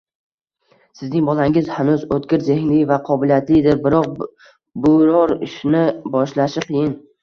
Sizning bolangiz hanuz o‘tkir zehnli va qobiliyatlidir, biroq “biror ishni boshlashi qiyin”.